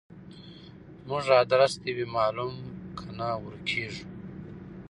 زموږ ادرس دي وي معلوم کنه ورکیږو